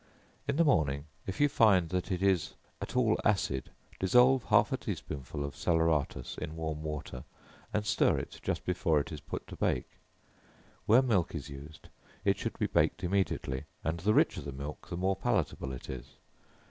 In the morning, if you find that it is at all acid, dissolve half a tea spoonful of salaeratus in warm water, and stir it just before it is put to bake. Where milk is used, it should be baked immediately, and the richer the milk, the more palatable it is.